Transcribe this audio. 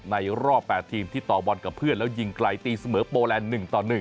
รอบ๘ทีมที่ต่อบอลกับเพื่อนแล้วยิงไกลตีเสมอโปแลนด์๑ต่อ๑